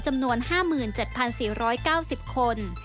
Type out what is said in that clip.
จำนวน๕๗๔๙๐คน